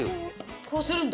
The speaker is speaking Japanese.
こうするんだ。